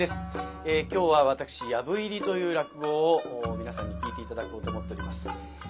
今日は私「藪入り」という落語を皆さんに聴いて頂こうと思っております。